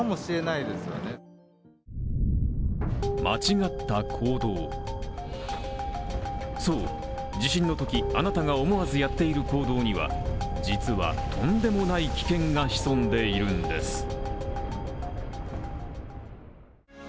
間違った行動そう、地震のとき、あなたが思わずやっている行動には実はとんでもない危険が潜んでいるんです。